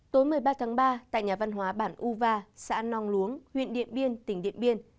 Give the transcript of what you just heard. tối một mươi ba tháng ba tại nhà văn hóa bản uva xã nong luống huyện điện biên tỉnh điện biên